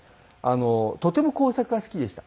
とても工作が好きでした。